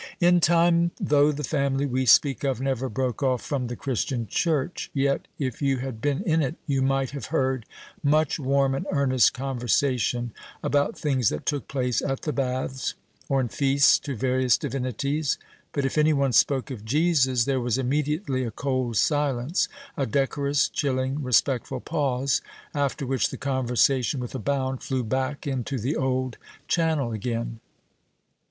In time, though the family we speak of never broke off from the Christian church, yet if you had been in it, you might have heard much warm and earnest conversation about things that took place at the baths, or in feasts to various divinities; but if any one spoke of Jesus, there was immediately a cold silence, a decorous, chilling, respectful pause, after which the conversation, with a bound, flew back into the old channel again.